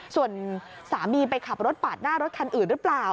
ส่วนสามีไปขับรถปาดหน้ารถคันอื่นหรือเปล่า